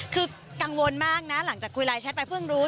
คือกังวลมากนะหลังจากคุยไลน์แชทไปเพิ่งรู้